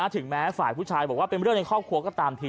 ถึงแม้ฝ่ายผู้ชายบอกว่าเป็นเรื่องในครอบครัวก็ตามที